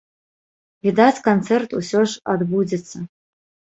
Відаць, канцэрт усё ж адбудзецца.